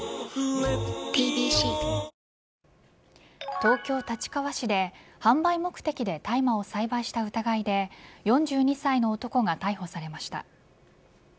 東京・立川市で販売目的で大麻を栽培した疑いで４２歳の男が逮捕されました。